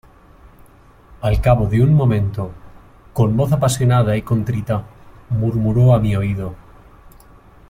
al cabo de un momento , con voz apasionada y contrita , murmuró a mi oído :